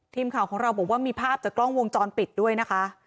ทีมข่าวของเราบอกว่ามีภาพจากกล้องวงจรปิดด้วยนะคะ